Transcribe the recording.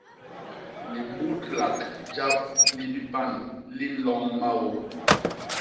Libudlak jap li bipan li nloñ maô.